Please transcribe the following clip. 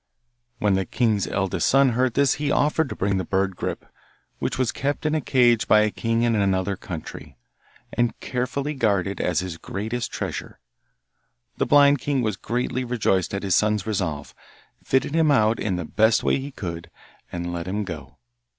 When the king's eldest son heard this he offered to bring the bird Grip, which was kept in a cage by a king in another country, and carefully guarded as his greatest treasure. The blind king was greatly rejoiced at his son's resolve, fitted him out in the best way he could, and let him go.